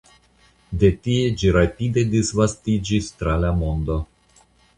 De tie ĝi rapide disvastiĝis tra la mondo.